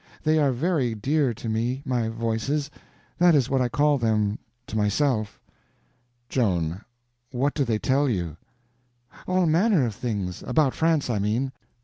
They are very dear to me—my Voices; that is what I call them to myself." "Joan, what do they tell you?" "All manner of things—about France, I mean."